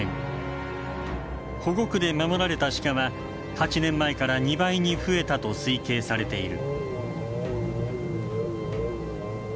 保護区で守られたシカは８年前から２倍に増えたと推計されている。